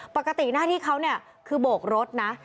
ปกติหน้าที่เขาคือโบกรถนะ